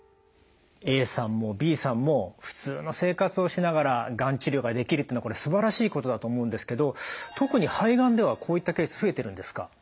ＡさんもＢさんも普通の生活をしながらがん治療ができるってこれすばらしいことだと思うんですけど特に肺がんではこういったケース増えてるんですか？